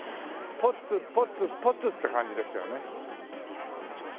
ポツポツポツって感じですよね。